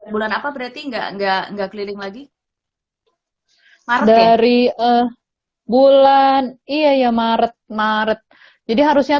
bulan apa berarti enggak enggak enggak keliling lagi dari bulan iya ya maret maret jadi harusnya